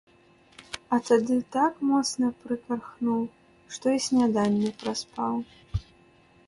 А тады так моцна прыкархнуў, што й сняданне праспаў.